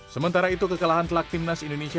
sementara itu kekalahan telak timnas indonesia